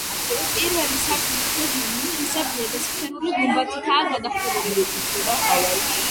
პირველი სართულის გეგმა ნალისებრია და სფერული გუმბათითაა გადახურული.